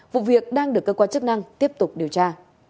vụ việc đang được cơ quan chức năng tiếp tục điều tra